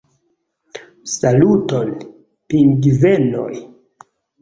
Saluton, pingvenoj!!